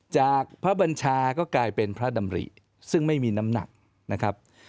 จากพระบัญชาก็กลายเป็นพระดำริซึ่งไม่มีน้ำหนักนะครับ